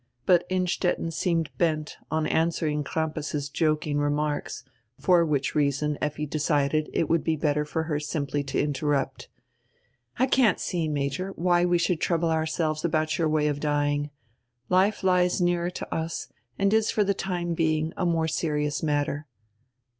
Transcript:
But Innstetten seemed bent on answering Crampas's joking remarks, for which reason Effi decided it would be better for her simply to interrupt. "I can't see, Major, why we should trouble ourselves about your way of dying. Life lies nearer to us and is for the time being a more serious matter."